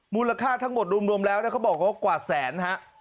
มูลค่าทั้งหมดรวมแล้วเขาบอกว่ากว่าแสนฮะ